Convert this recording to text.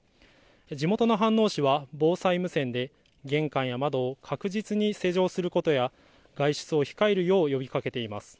地元の飯能市は防災無線で玄関や窓を確実に施錠することや外出を控えるよう呼びかけています。